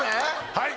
はい！